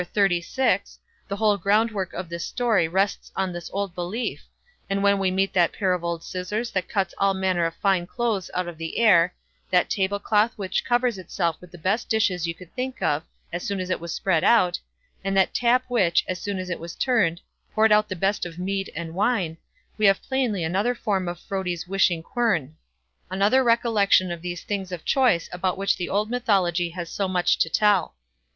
xxxvi, the whole groundwork of this story rests on this old belief; and when we meet that pair of old scissors which cuts all manner of fine clothes out of the air, that tablecloth which covers itself with the best dishes you could think of, as soon as it was spread out, and that tap which, as soon as it was turned, poured out the best of mead and wine, we have plainly another form of Frodi's wishing quern—another recollection of those things of choice about which the old mythology has so much to tell.